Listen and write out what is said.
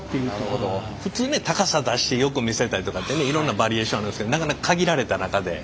普通ね高さ出してよく見せたりとかってねいろんなバリエーションありますけどなかなか限られた中で。